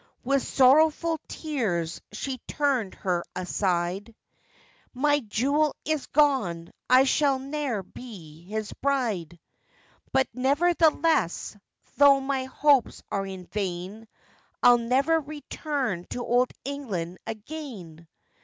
With sorrowful tears she turned her aside: 'My jewel is gone, I shall ne'er be his bride; But, nevertheless, though my hopes are in vain, I'll never return to old England again.